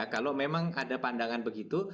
kalau memang ada pandangan begitu